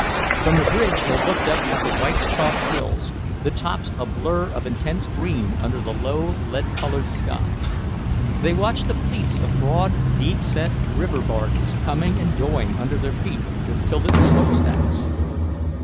From the bridge they looked up at the white chalk hills, the tops a blur of intense green under the low, lead coloured sky. They watched the fleets of broad, deep set river barges, coming and going under their feet, with tilted smokestacks.